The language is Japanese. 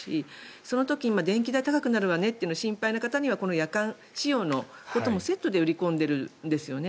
その時、電気代が高くなるわねというのが心配な方には夜間使用のこともセットで売り込んでいるんですね。